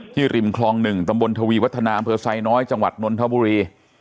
ริมคลอง๑ตำบลทวีวัฒนาอำเภอไซน้อยจังหวัดนนทบุรี